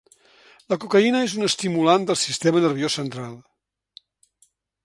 La cocaïna és un estimulant del sistema nerviós central.